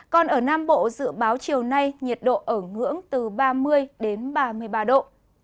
còn ở nam bộ dự báo chiều nay nhiệt độ ở ngưỡng từ ba mươi đến ba mươi ba độ